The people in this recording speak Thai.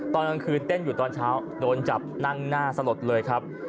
ตอนกลางคืนเต้นอยู่ตอนเช้าโดนจับนั่งหน้าสลดเลยครับ